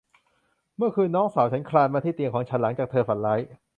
เมื่อคืนน้องสาวฉันคลานมาที่เตียงของฉันหลังจากเธอฝันร้าย